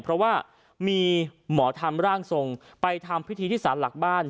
เพราะว่ามีหมอทำร่างทรงไปทำพิธีที่สารหลักบ้าน